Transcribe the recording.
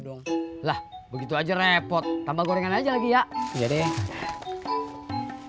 dong lah begitu aja repot tambah gorengan aja lagi ya jadi